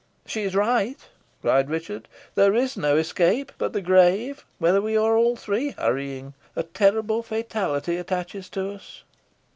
'" "She is right," cried Richard; "there is no escape but the grave, whither we are all three hurrying. A terrible fatality attaches to us."